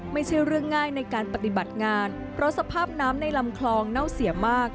ไม่ใช่เรื่องง่ายในการปฏิบัติงานเพราะสภาพน้ำในลำคลองเน่าเสียมาก